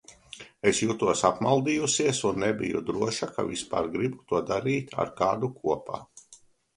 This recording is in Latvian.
Es jutos apmaldījusies un nebiju droša, ka vispār gribu to darīt ar kādu kopā.